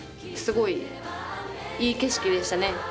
すごいいい景色でしたね。